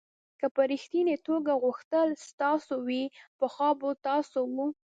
که په ریښتني توګه غوښتل ستاسو وي پخوا به ستاسو و.